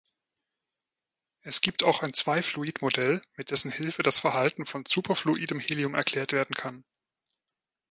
Es gibt auch ein Zwei-Fluid-Modell, mit dessen Hilfe das Verhalten von superfluidem Helium erklärt werden kann.